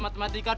ada arah kuat